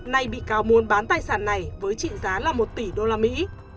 nay bị cáo muốn bán tài sản này với trị giá là một tỷ đô la mỹ